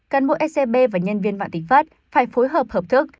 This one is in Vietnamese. căn bộ scb và nhân viên vạn tính phát phải phối hợp hợp thức